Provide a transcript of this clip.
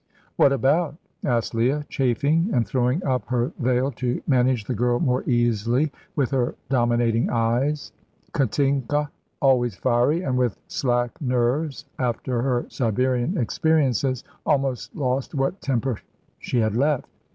"What about?" asked Leah, chafing, and throwing up her veil to manage the girl more easily with her dominating eyes. Katinka, always fiery, and with slack nerves after her Siberian experiences, almost lost what temper she had left.